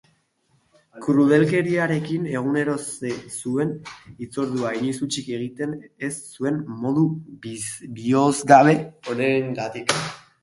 Krudelkeriarekin egunero zuen hitzordura inoiz hutsik egiten ez zuen mundu bihozgabe honengatik.